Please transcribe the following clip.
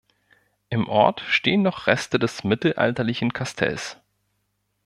Im Ort stehen noch Reste des mittelalterlichen Kastells.